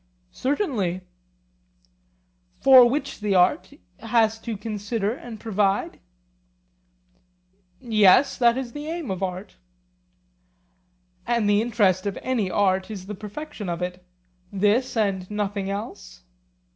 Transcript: Certainly. For which the art has to consider and provide? Yes, that is the aim of art. And the interest of any art is the perfection of it—this and nothing else?